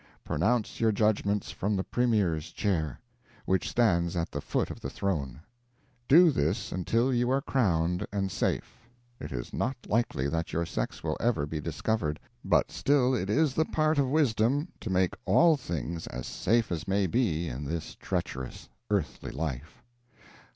Pronounce your judgments from the Premier's chair, which stands at the foot of the throne. Do this until you are crowned and safe. It is not likely that your sex will ever be discovered; but still it is the part of wisdom to make all things as safe as may be in this treacherous earthly life."